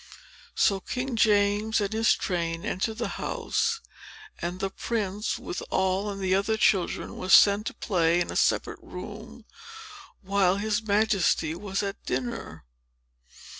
So King James and his train entered the house; and the prince, with Noll and some other children, was sent to play in a separate room while his Majesty was at dinner.